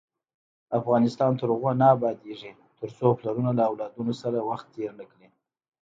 افغانستان تر هغو نه ابادیږي، ترڅو پلرونه له اولادونو سره وخت تیر نکړي.